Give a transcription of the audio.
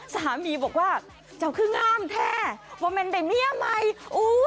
สามีบอกว่าเจ้าคืองามแท้ว่ามันได้เมียใหม่อู้